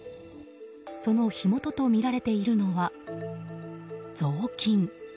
その火元とみられているのは雑巾。